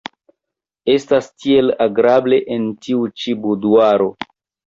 Estas tiel agrable en tiu ĉi buduaro.